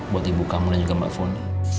buat ibu kamu dan juga mbak foni